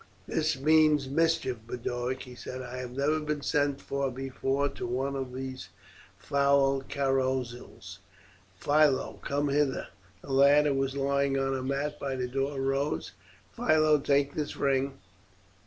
"This means mischief, Boduoc," he said. "I have never been sent for before to one of these foul carousals. Philo, come hither!" The lad, who was lying on a mat by the door, rose. "Philo, take this ring.